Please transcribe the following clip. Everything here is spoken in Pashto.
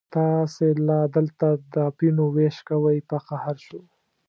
تاسې لا دلته د اپینو وېش کوئ، په قهر شو.